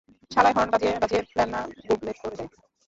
শালায়, horn বাজিয়ে বাজিয়ে plan না গুবলেট করে দেয়।